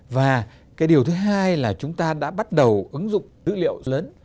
và cái điều thứ hai là chúng ta đã bắt đầu ứng dụng dữ liệu lớn